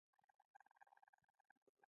دوی غواړي صادرونکي شي.